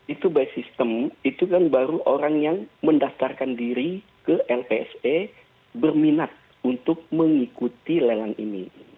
itu by system itu kan baru orang yang mendaftarkan diri ke lpse berminat untuk mengikuti lelang ini